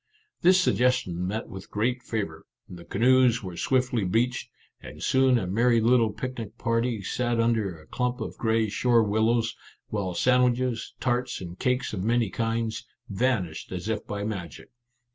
This suggestion met with great favour; the canoes were swiftly beached, and soon a merry little picnic party sat under a clump of gray shore willows, while sandwiches, tarts, and cakes of many kinds, vanished as if by magic.